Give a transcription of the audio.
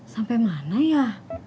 sampai mana ya